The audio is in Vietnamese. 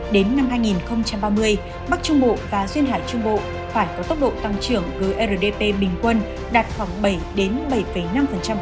đến năm hai nghìn ba mươi bắc trung bộ và duyên hải trung bộ phải có tốc độ tăng trưởng grdp bình quân đạt khoảng bảy bảy năm